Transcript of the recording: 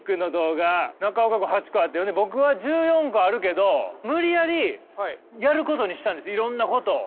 中岡くん８個あって僕は１４個あるけど無理やりやることにしたんですいろんなことを。